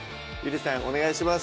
お願いします